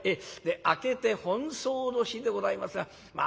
明けて本葬の日でございますがまあ